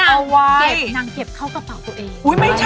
เอาไปคลิปนี้ค่ะ